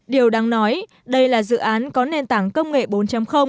điều đáng nói đây là dự án có nền tảng công nghệ bốn